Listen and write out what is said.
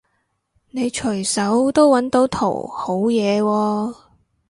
你隨手都搵到圖好嘢喎